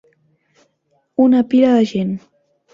Una pila de gent.